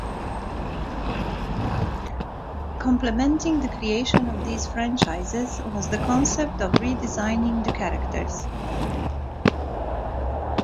Complementing the creation of these franchises was the concept of redesigning the characters.